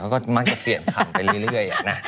ก็มักจะเปลี่ยนผ่านไปเรื่อยนะ